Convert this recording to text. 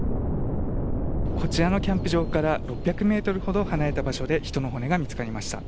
こちらのキャンプ場から６００ｍほど離れた場所で人の骨が見つかりました。